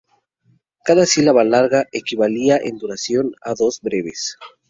Cada sílaba larga equivalía en duración a dos breves.